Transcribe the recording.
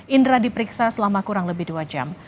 indra diperiksa selama kurang lebih dua jam